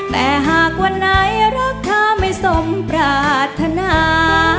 แต่หากวันไหนรักเธอไม่สมปรารถนา